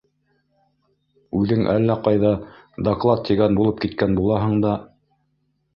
Үҙең әллә ҡайҙа доклад тигән булып киткән булаһың да...